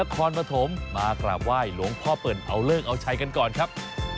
คอนปฐมมากราบไหว้หลวงพ่อเปิ่นเอาเลิกเอาชัยกันก่อนครับ